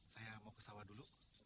saya mau ke sawah dulu